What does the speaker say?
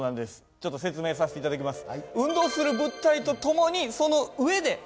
ちょっと説明させて頂きます。